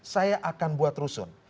saya akan buat rusun